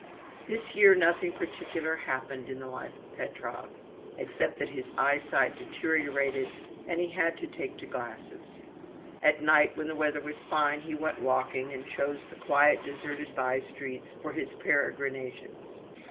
This year nothing particular happened in the life of Petrov, except that his eyesight deteriorated and he had to take to glasses. At night, when the weather was fine, he went walking, and chose the quiet, deserted bye streets for his peregrinations.